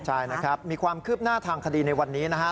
ใช่นะครับมีความคืบหน้าทางคดีในวันนี้นะฮะ